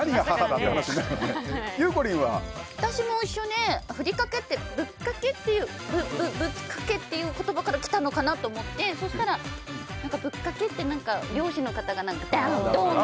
私も一緒で、ふりかけってぶっかけっていう言葉からきたのかなと思ってそしたら、ぶっかけって漁師の方がドーン！